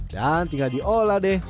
dan tinggal diolah deh